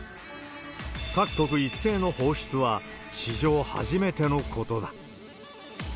各国一斉の放出は、史上初めてのことだ。